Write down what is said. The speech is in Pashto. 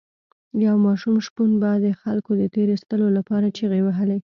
یو ماشوم شپون به د خلکو د تیر ایستلو لپاره چیغې وهلې.